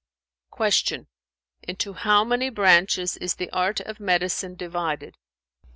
Q "Into how many branches is the art of medicine divided?"